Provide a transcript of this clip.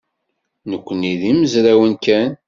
Nekkni d imezrawen kan.